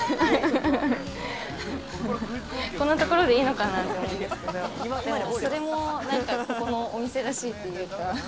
こんなところでいいのかなって思いますけど、それもここのお店らしいっていうか。